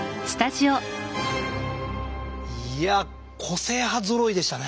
いや個性派ぞろいでしたね。